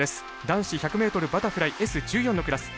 男子１００ｍバタフライＳ１４のクラス。